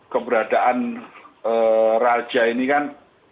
keberadaan raja ini kan